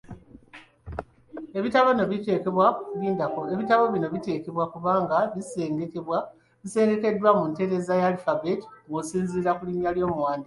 Ebitabo bino biteekwa kuba nga bisengekeddwa mu ntereeza eya alphabet ng’osinziira ku linnya ly’omuwandiisi.